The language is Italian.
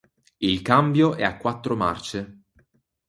Il cambio è a quattro marce.